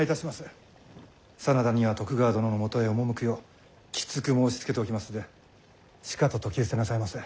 真田には徳川殿のもとへ赴くようきつく申しつけておきますでしかと説き伏せなさいませ。